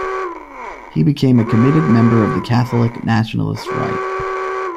He became "a committed member of the Catholic nationalist right".